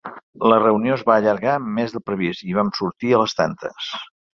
La reunió es va allargar més del previst i vam sortir a les tantes.